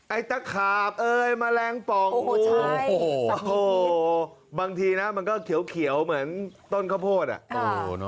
ไอ้ตะขาบเอ้ยแมลงป่องโอ้โหบางทีนะมันก็เขียวเหมือนต้นข้าวโพดอ่ะ